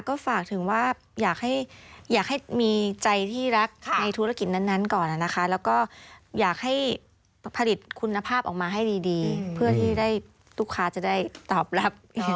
ก็ฝากถึงว่าอยากให้มีใจที่รักในธุรกิจนั้นก่อนนะคะแล้วก็อยากให้ผลิตคุณภาพออกมาให้ดีเพื่อที่ลูกค้าจะได้ตอบรับ